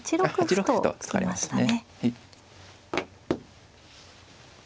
８六歩と突かれましたね。